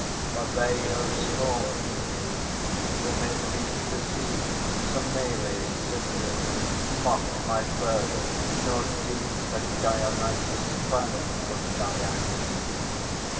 For they have scorned me whom it least beseemed, Semelê's sisters; mocked my birth, nor deemed That Dionysus sprang from Dian seed.